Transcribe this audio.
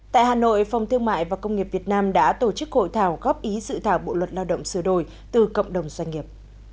tại hà nội phòng thương mại và công nghiệp việt nam đã tổ chức hội thảo góp ý sự thảo bộ luật lao động sửa đổi từ cộng đồng doanh nghiệp